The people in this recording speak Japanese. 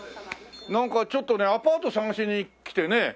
なんかちょっとねアパート探しに来てね